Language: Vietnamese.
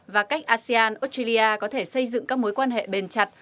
và cách asean australia có thể xây dựng các mối quan hệ bền chặt